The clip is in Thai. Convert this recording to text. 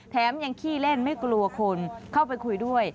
แถมยังขี้เล่นไม่กลัวคนเข้าไปคุยด้วย